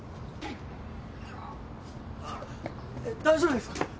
大丈夫ですか？